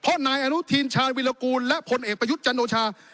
เพราะนายอนุทินชาญวิรากูลและผลเอกประยุทธ์จันโอชา